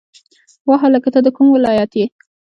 وا هلکه ته د کوم ولایت یی